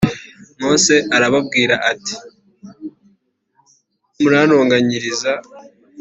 Mose arababwira ati murantonganyiriza